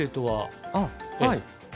はい。